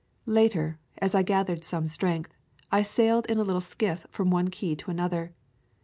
Later, as I gathered some strength, I sailed in a little skiff from one key to another.